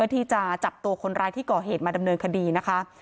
ที่จะจับตัวคนร้ายที่ก่อเหตุมาดำเนินคดีนะคะ